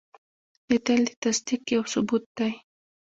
لیدل د تصدیق یو ثبوت دی